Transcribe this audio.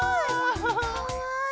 かわいい！